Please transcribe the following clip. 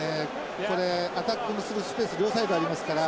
ここでアタックするスペース両サイドありますから。